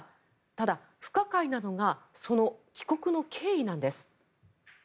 ただ不可解なのがその帰国の経緯なんです。